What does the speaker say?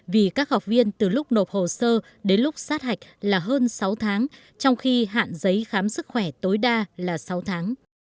vì các học viên từ lúc nộp hồ sơ đến lúc sát hạch là hơn sáu tháng trong khi hạn giấy khám sức khỏe tối đa là sáu tháng